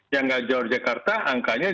yang nggak jauh dari jakarta angkanya